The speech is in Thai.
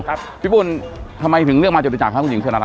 ครับพี่บุญทำไมถึงเลือกมาจตุจักรฮะ